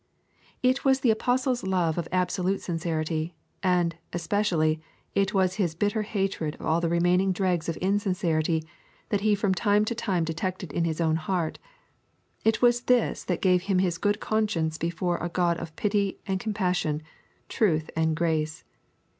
It was the apostle's love of absolute sincerity, and, especially, it was his bitter hatred of all the remaining dregs of insincerity that he from time to time detected in his own heart, it was this that gave him his good conscience before a God of pity and compassion, truth and grace.